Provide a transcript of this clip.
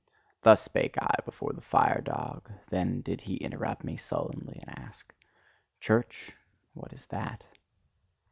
Thus spake I before the fire dog: then did he interrupt me sullenly, and asked: "Church? What is that?"